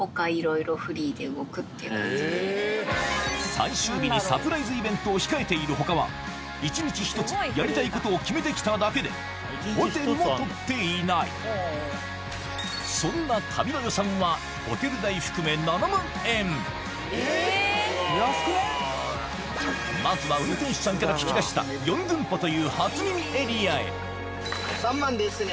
最終日にサプライズイベントを控えている他は１日１つやりたいことを決めてきただけでホテルを取っていないそんな旅の予算はまずは運転手さんから聞き出した３万ですね